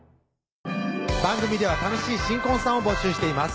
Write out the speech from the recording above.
番組では楽しい新婚さんを募集しています